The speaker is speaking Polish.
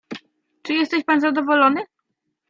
"Czy jesteś pan zadowolony?"